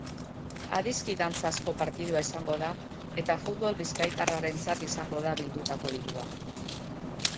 Adiskidantzazko partida izango da eta futbol bizkaitarrarentzat izango da bildutako dirua.